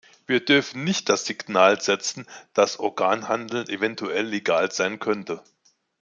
Wir dürfen nicht das Signal setzen, dass Organhandel eventuell legal sein könnte.